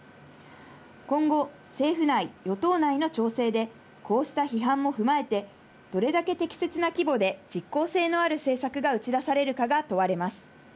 今後、政府内、与党内の調整でこうした批判も踏まえて、どれだけ適切な規模で実効性のある政策が打ち出されるかが問われます。